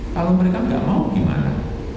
kalau mereka nggak mau gimana